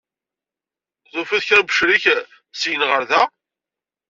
Tufiḍ kra n wecrik syin ɣer da?